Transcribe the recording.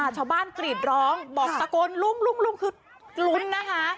ชาวบ้านกรีดร้องบอกตะโกนลุงลุงคือลุ้นนะคะ